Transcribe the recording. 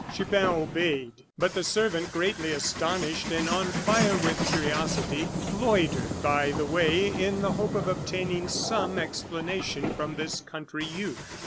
Chupin obeyed; but the servant, greatly astonished, and on fire with curiosity, loitered by the way in the hope of obtaining some explanation from this country youth.